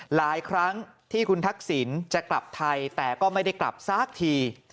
หลายครั้งที่คุณทักษิณจะกลับไทยแต่ก็ไม่ได้กลับสักที